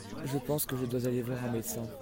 Je pense que je dois aller voir un médecin.